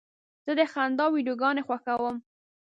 زه د خندا ویډیوګانې خوښوم.